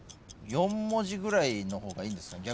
４文字ぐらいの方がいいですか？